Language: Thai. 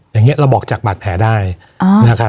วันนี้แม่ช่วยเงินมากกว่า